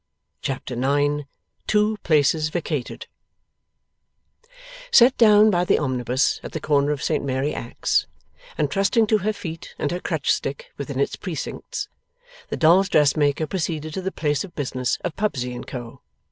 Chapter 9 TWO PLACES VACATED Set down by the omnibus at the corner of Saint Mary Axe, and trusting to her feet and her crutch stick within its precincts, the dolls' dressmaker proceeded to the place of business of Pubsey and Co.